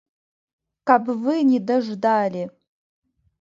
Каб вы не даждалі!